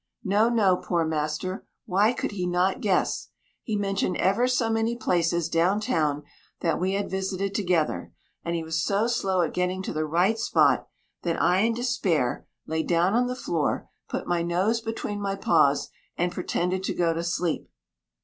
No, no, poor master why could he not guess. He mentioned ever so many places down town that we had visited together, and he was so slow at getting to the right spot, that I, in despair, lay down on the floor, put my nose between my paws, and pretended to go to sleep.